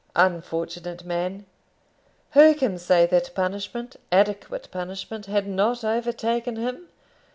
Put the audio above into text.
Unfortunate man! Who can say that punishment adequate punishment had not overtaken him?